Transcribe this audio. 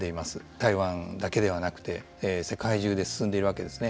台湾だけではなくて世界中で進んでいるわけですね。